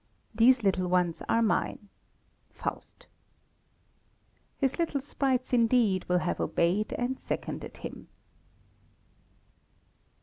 'These little ones are mine' (faust). His little sprites indeed will have obeyed and seconded hin.